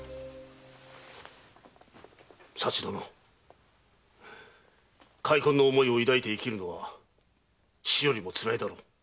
佐知殿悔恨の思いを抱いて生きるのは死よりもつらいだろう。